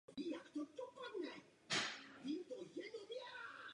V parčíku vedle výpravní budovy je postaven malý model hradu Křivoklát.